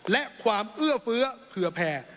และความเอื้อเฟื้อเผื่อแผ่